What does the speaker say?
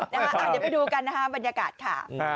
เดี๋ยวไปดูกันนะคะบรรยากาศค่ะ